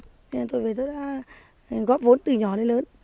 thế nên tôi về tôi đã góp vốn từ nhỏ đến lớn